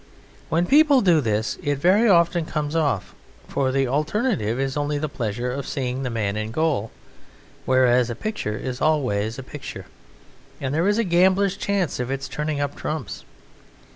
When people do this it very often comes off, for the alternative is only the pleasure of seeing the man in gaol, whereas a picture is always a picture, and there is a gambler's chance of its turning up trumps.